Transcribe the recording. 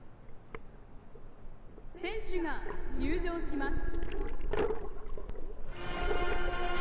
選手が入場します。